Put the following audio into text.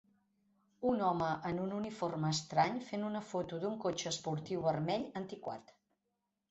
Un home en un uniforme estrany fent una foto d'un cotxe esportiu vermell antiquat.